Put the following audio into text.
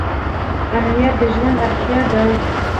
امنیت د ژوند اړتیا ده